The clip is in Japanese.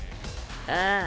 ああ。